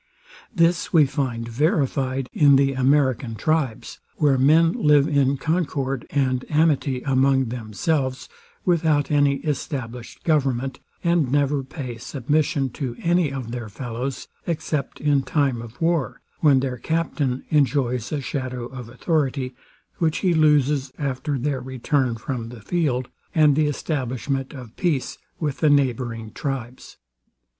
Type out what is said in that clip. This we find verified in the American tribes, where men live in concord and amity among themselves without any established government and never pay submission to any of their fellows, except in time of war, when their captain enjoys a shadow of authority, which he loses after their return from the field, and the establishment of peace with the neighbouring tribes.